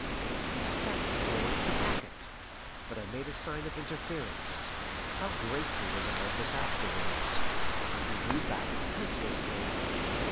He stepped towards the packet, but I made a sign of interference how grateful was I of this afterwards! and he drew back courteously.